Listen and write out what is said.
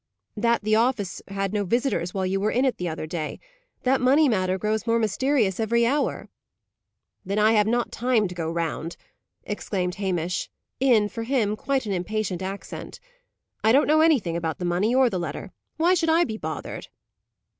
"That the office had no visitors while you were in it the other day. That money matter grows more mysterious every hour." "Then I have not time to go round," exclaimed Hamish, in for him quite an impatient accent. "I don't know anything about the money or the letter. Why should I be bothered?"